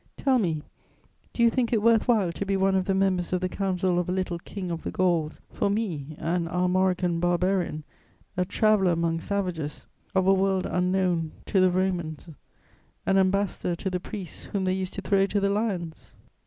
Tell me, do you think it worth while to be one of the members of the council of a little king of the Gauls, for me, an Armorican barbarian, a traveller among savages of a world unknown to the Romans and ambassador to the priests whom they used to throw to the lions?